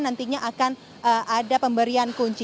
nantinya akan ada pemberian kunci